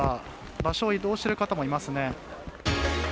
場所を移動している方もいますね。